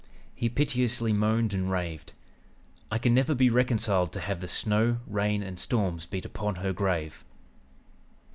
He piteously moaned and raved: "'I never can be reconciled to have the snow, rain, and storms beat upon her grave.'